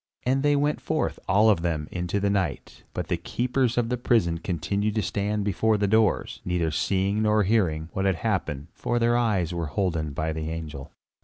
And they went forth, all of them, into the night; but the keepers of the prison continued to stand before the doors, neither seeing nor hearing what had happened, for their eyes were holden by the angel.